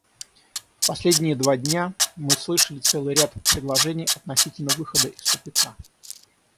В последние два дня мы слышали целый ряд предложений относительно выхода из тупика.